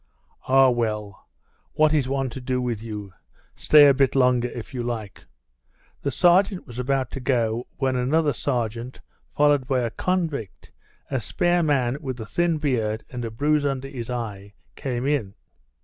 "Ah, well, what is one to do with you; stay a bit longer, if you like." The sergeant was about to go when another sergeant, followed by a convict, a spare man with a thin beard and a bruise under his eye, came in.